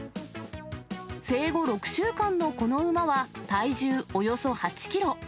生後６週間のこの馬は、体重およそ８キロ。